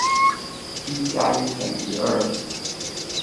一加一等於二。